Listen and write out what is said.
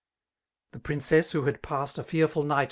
The princess, who had passed a fearful night.